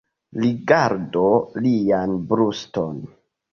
Rigardu lian bruston.